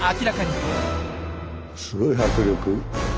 すごい迫力。